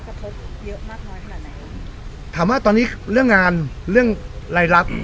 กระทบเยอะมากน้อยขนาดไหนถามว่าตอนนี้เรื่องงานเรื่องรายรับ